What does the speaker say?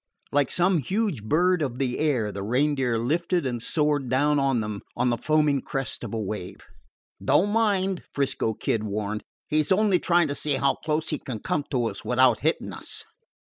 Like some huge bird of the air, the Reindeer lifted and soared down on them on the foaming crest of a wave. "Don't mind," 'Frisco Kid warned. "He 's only tryin' to see how close he can come to us without hittin' us."